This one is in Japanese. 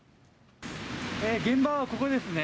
現場はここですね。